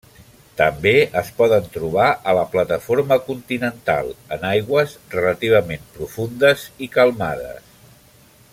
També es poden trobar a la plataforma continental, en aigües relativament profundes i calmades.